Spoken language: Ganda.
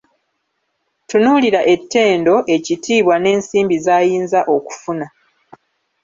Tutunuulira ettendo, ekitibwa, n'ensimbi z'ayinza okufuna.